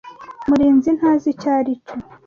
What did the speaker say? Murinzi ntazi icyo aricyo.